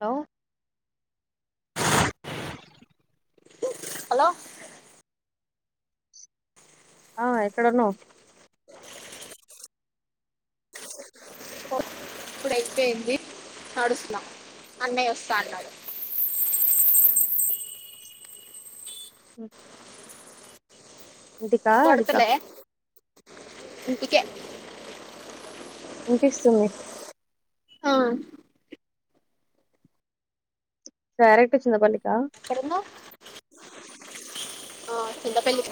Hello hello ఆ ఎక్కడున్నావ్ ఇప్పుడు అయిపోయింది నడుస్తున్నా అన్నయ్య వస్తా అన్నాడు ఉ ఇంటికా అడిక కొడతలే ఇంటికే విన్పిస్తుంది ఆ క్యారెట్ ఇచ్చిన వెళ్లి ఎక్కడున్నావ్ ఆ చింత పెల్లి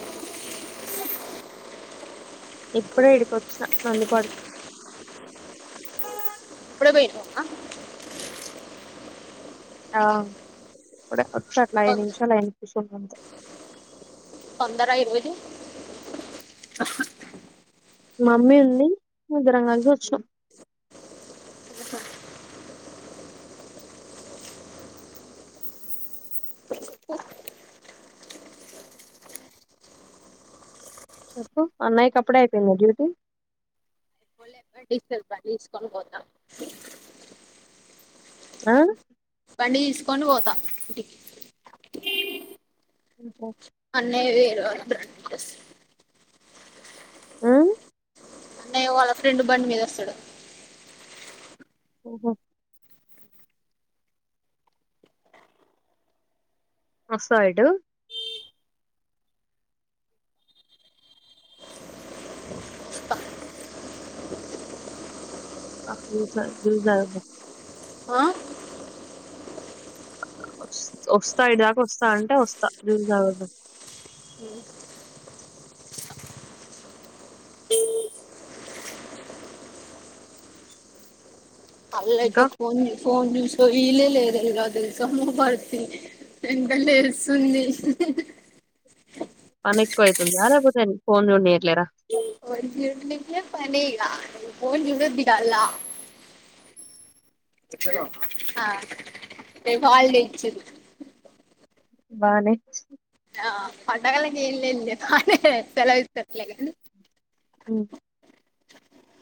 ఇప్పుడే ఈడికోచ్చినా నంది కాడ్కి అప్పుడేపోయినవా ఆ ఇప్పుడే వచ్చి అట్లా ఐదు తొంద నిమిషాలైంది. కుసోని అంతే తొందర ఈ రోజు మమ్మీ ఉంది. ముగ్గురం కలిసొచ్చినం. చెప్పు అన్నయ కప్పుడే అయిపోయిందా డ్యూటీ [unintelligible] బండి తీసుకొని పోతా ఇంటికి ఆ బండి తీసుకొని పోతా ఇంటికి మ్. పో అన్నయ్య వేరు [unintelligible] ఆ అన్నయ్య వాళ్ళ ఫ్రెండ్ బండి మీదోస్తడు. ఓహో నువ్ వస్తావా ఇటు వస్తా. [unintelligible] ఆ వస్ వస్తా ఇంటి దాకా వస్తా అంటే వస్తా నీళ్లు తాగొద్దాం. ఇంకా అలేఖ్య ఫోన్ ఫోన్ చూ సోయిలే లేదు తెలుసా మూడ్ పాడు చేసింది. మెంటల్ లేస్తుంది. పని ఎక్కువయితుందా లేకపోతే ఫోన్ చూన్నియట్లేరా ఎనిమిదికే పనిగా పోన్ చూడుద్దిగాల్ల ఆ రేపు హాలిడే ఇచ్చిర్రు. బానే ఇచ్చి ఆ పండగలకేంలే కానీ సెలవిస్తరులే కానీ మ్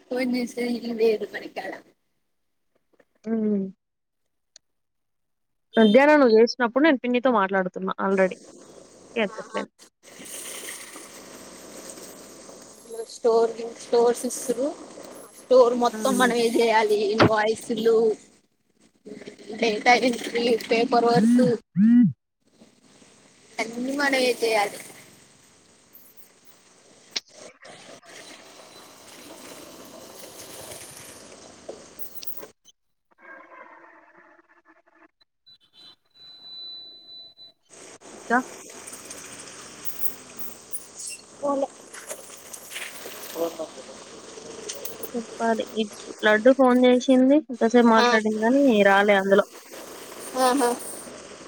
ఫోన్ చేసిది లేదు బడికాడ అవున మధ్యాహ్నం నువ్వు చేసినప్పుడు నేను పిన్నితో మాట్లాడుతున్నా ఆల్రెడీ ఎత్తట్లే. స్టోర్ నిం స్టోర్స్ ఇస్తుర్రు. స్టోర్ ఆ మొత్తం మనమే చేయాలి ఇన్వాయిసులు డే డైరెక్ట్వి పేపర్ వర్స్ అన్నీ మనమే చేయాలి. ఇంకా ఆ, చెప్పాలి. ఇప్పు లడ్డు ఫోన్ చేసింది కొంతసేపు మాట్లాడిందని రాలే అందులో ఆహా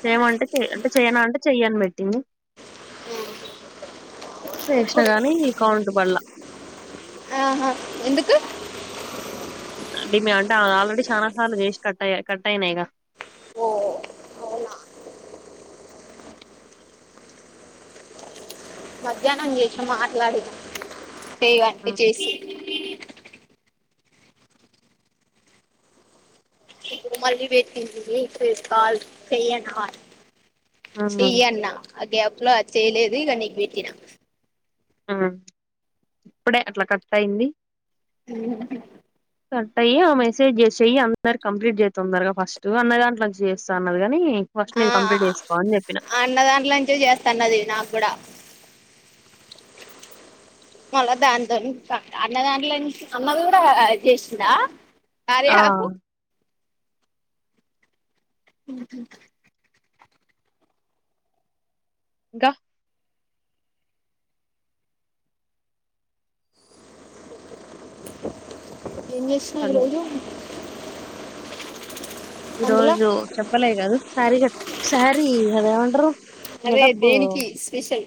చేయమంటే చెయ్ అంటే చెయనా అంటే చెయ్యని పెట్టింది. ఇప్పుడు చేష్ణగాని కౌంట్ పళ్ల ఆహా, ఎందుకు డిమే అంటే ఆల్రెడీ చానా సార్లు చేసి కట్ అయ కట్ అయినాయ్గా ఓ అవునా మధ్యాహ్నం చేసిన మాట్లాడింది చేయ్వా అంటే చేస్తి ఇప్పుడు మళ్ళి పెట్టింది చూడి కాల్స్ చెయ్యాండాట్ చెయ్యన్నా ఆ గ్యాప్లో అది చేయలేదు ఇగ నీకు పెట్టినా ఆ ఇప్పుడే అట్ల కట్టయింది. కట్టయ్యి ఆ మెసేజ్ చేసేయ్ అందరు కంప్లీట్ చేయ్ తొందరగా ఫస్ట్ అన్న దాంట్లో నుంచి చేస్త అన్నది కాని ఉ ఫస్ట్ నీది కంప్లీట్ చేసుకో అని చెప్పిన అన్నదాంట్ల నుంచే చేస్తా అన్నది నాకు కూడా మళ్ళా దాంతోని అన్నదాంట్ల నుంచి అమ్మ ది కూడా చేసిందా కార్య ఆ యాప్ పు ఉహు గా ఏం చేసినావు అట్లా ఈరోజు ఈ అందులో రోజు చెప్పలే కాదు శారీ కట్ ఒక శారీ అది ఏమంటారు అదే దేనికి స్పెషల్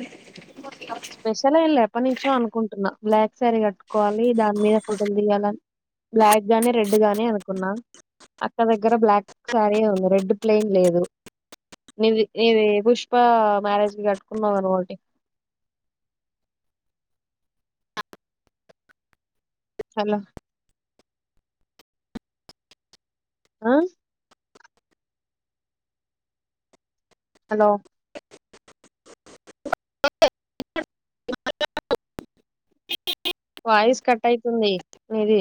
స్పెషల్ ఏం లేప్ ఏప్పడి నించో అనుకుంటున్నా బ్లాక్ శారీ కట్టుకోవాలి దాని మీద ఫోటోలు దిగాలని బ్లాక్ గాని రెడ్ గాని అనుకున్నా అక్క దగ్గర బ్లాక్ శారీ ఏ ఉంది రెడ్ ప్లెయిన్ లేదు నీది నీది పుష్ప మ్యారేజ్ కి కట్టుకున్నావు గా నువ్వు ఓటి హలో ఆ హలో వాయిస్ కట్ అయితుంది మీది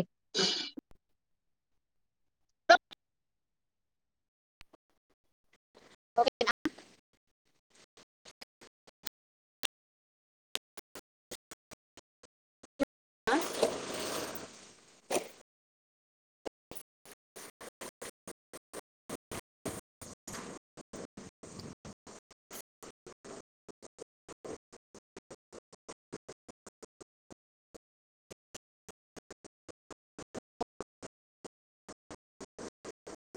ఆ